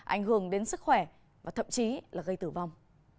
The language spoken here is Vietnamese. ảnh hưởng đến sức khỏe và thậm chí là gây tử vong